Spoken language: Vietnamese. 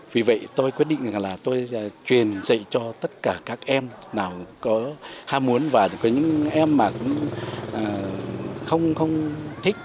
vì vậy tôi quyết định là tôi truyền dạy cho tất cả các em nào có ham muốn và những em mà cũng không thích